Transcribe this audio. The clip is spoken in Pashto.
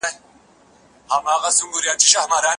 که دوهمه ژبه وي نو اړیکه نه پرې کیږي.